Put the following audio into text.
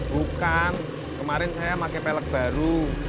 bukan kemarin saya pakai pelek baru